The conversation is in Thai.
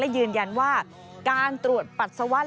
การตรวจปรัชวัตรและพบว่าเป็นสีม่วง